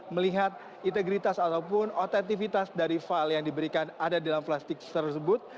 melihat integritas ataupun otentivitas dari file yang diberikan ada di dalam plastik tersebut